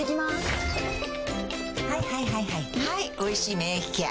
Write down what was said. はい「おいしい免疫ケア」